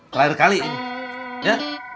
terakhir kali ini